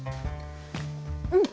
うん。